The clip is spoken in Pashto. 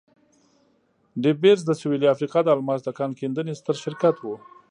ډي بیرز د سوېلي افریقا د الماسو د کان کیندنې ستر شرکت وو.